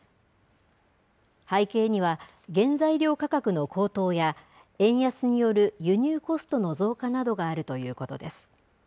背景には、原材料価格の高騰や、円安による輸入コストの増加などがあるということです。